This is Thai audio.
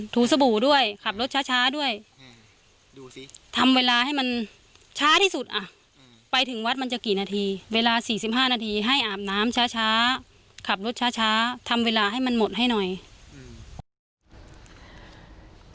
สบู่ด้วยขับรถช้าช้าด้วยอืมดูสิทำเวลาให้มันช้าที่สุดอ่ะอืมไปถึงวัดมันจะกี่นาทีเวลาสี่สิบห้านาทีให้อาบน้ำช้าช้าขับรถช้าช้าทำเวลาให้มันหมดให้หน่อยอืม